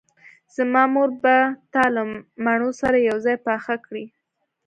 زما مور به تا له مڼو سره یوځای پاخه کړي